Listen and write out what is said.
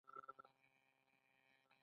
دوی له خپلو ځمکو او کورونو څخه وویستل شول